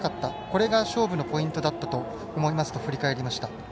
これが勝負のポイントだったと思いますと振り返りました。